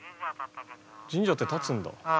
神社って建つんだ。